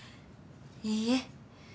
いいえ。